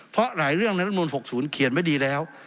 เพราะหลายเรื่องในรัฐมนุน๖๐เขียนไว้ดีแล้ว